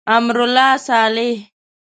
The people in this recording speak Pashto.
امرالله صالح.